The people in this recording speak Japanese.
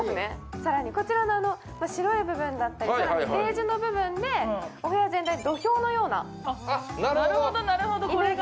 更にこちらの白い部分だったりベージュの部分でお部屋全体土俵のような。